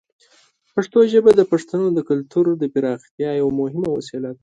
پښتو ژبه د پښتنو د کلتور د پراختیا یوه مهمه وسیله ده.